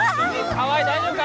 川合大丈夫か！